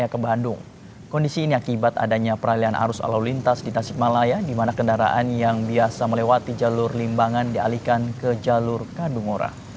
kepadatan kendaraan di jepang menuju jakarta